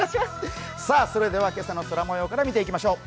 それでは、今朝の空もようから見ていきましょう。